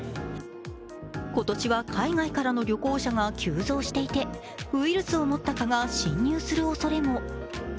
今年は海外からの旅行者が急増していて、ウイルスを持った蚊が侵入するおそれも。